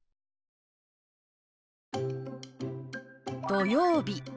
「土曜日」。